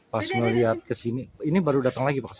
pas melihat ke sini ini baru datang lagi pak